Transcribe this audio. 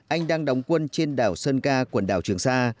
anh đang đóng quân trên đảo sơn ca quần đảo trường sa